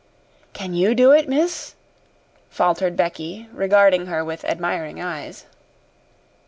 "Can you do it, miss?" faltered Becky, regarding her with admiring eyes.